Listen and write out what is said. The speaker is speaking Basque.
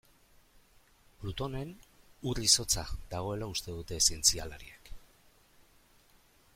Plutonen ur-izotza dagoela uste dute zientzialariek.